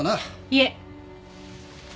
いえ。